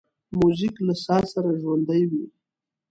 موزیک له ساز سره ژوندی وي.